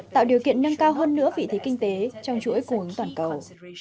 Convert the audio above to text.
tạo điều kiện nâng cao hơn nữa vị thế kinh tế trong chuỗi cuốn toàn cầu